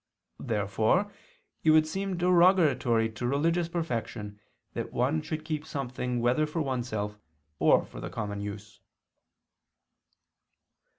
Therefore it would seem derogatory to religious perfection that one should keep something whether for oneself or for the common use.